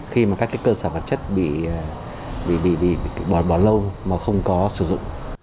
khi mà các cái cơ sở vật chất bị bỏ lâu mà không có sử dụng